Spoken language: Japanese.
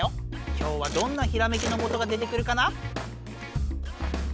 今日はどんなひらめきのもとが出てくるかな？